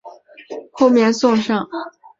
主菜通常会紧接着后面送上。